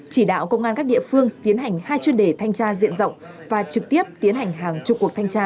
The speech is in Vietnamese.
chỉ đạo công an các địa phương tiến hành hai chuyên đề thanh tra diện rộng và trực tiếp tiến hành hàng chục cuộc thanh tra